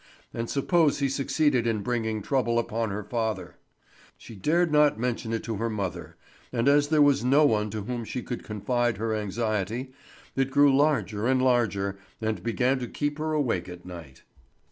And suppose he succeeded in bringing trouble upon her father! She dared not mention it to her mother, and as there was no one to whom she could confide her anxiety, it grew larger and larger, and began to keep her awake at night.